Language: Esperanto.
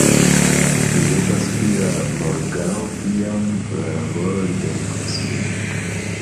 Mi revas pri la morgaŭo, kiam la laboro liberigos min.